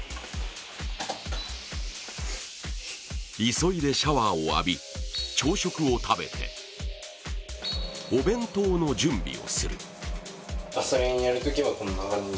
急いでシャワーを浴び、朝食を食べてお弁当の準備をする。